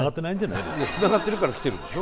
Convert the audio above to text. いやつながってるから来てるんでしょ？